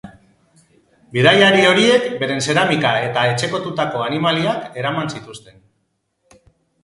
Bidaiari horiek beren zeramika eta etxekotutako animaliak eraman zituzten.